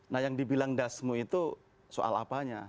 nah yang dibilang dasmu itu soal apanya